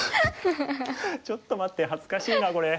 ちょっと待って恥ずかしいなこれ。